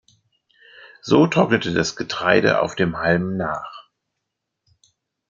So trocknete das Getreide auf dem Halm nach.